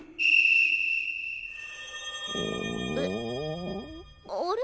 うっあれ？